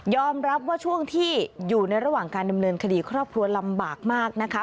รับว่าช่วงที่อยู่ในระหว่างการดำเนินคดีครอบครัวลำบากมากนะคะ